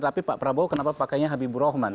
tapi pak prabowo kenapa pakainya habibur rahman